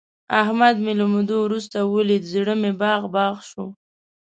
احمد مې له مودو ورسته ولید، زړه مې باغ باغ شو.